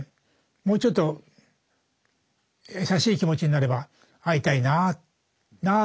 もうちょっと優しい気持ちになれば「会いたいなあ」。